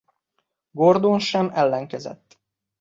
Gordon sem ellenkezett.